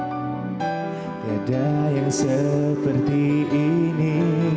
tidak ada yang seperti ini